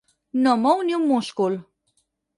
No mou ni un múscul.